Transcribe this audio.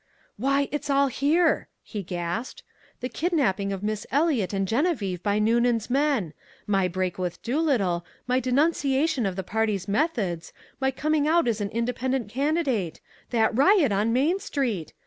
"Why, it's all here!" he gasped. "The kidnapping of Miss Eliot and Geneviève by Noonan's men my break with Doolittle, my denunciation of the party's methods, my coming out as an independent candidate that riot on Main Street!